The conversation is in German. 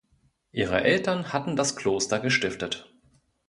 Ihre Eltern hatten das Kloster gestiftet.